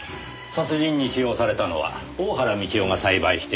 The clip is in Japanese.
殺人に使用されたのは大原美千代が栽培している